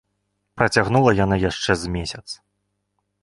Працягнула яна яшчэ з месяц.